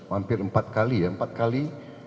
hampir empat kali